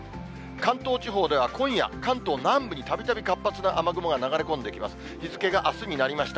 関東地方では今夜、関東南部にたびたび活発な雨雲が流れ込んできます。